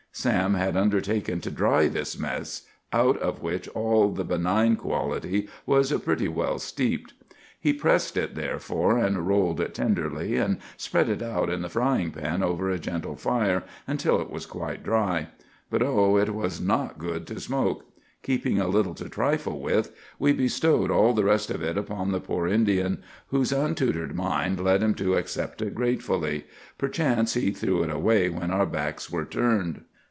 Sam had undertaken to dry this mess, out of which all the benign quality was pretty well steeped. He pressed it therefore, and rolled it tenderly, and spread it out in the frying pan over a gentle fire, until it was quite dry. But oh, it was not good to smoke! Keeping a little to trifle with, we bestowed all the rest of it upon the poor Indian, whose untutored mind led him to accept it gratefully. Perchance he threw it away when our backs were turned.